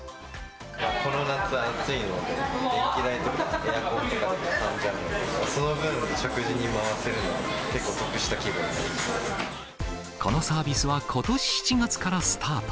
この夏、暑いので、電気代とか、エアコンとかでかさんじゃうので、その分、食事に回せるのは結構得このサービスはことし７月からスタート。